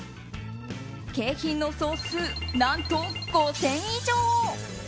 景品の総数、何と５０００以上！